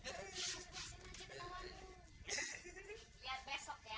harus ngurut sama ibu